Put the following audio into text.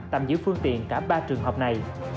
tạm giữ phương tiện cả ba trường hợp này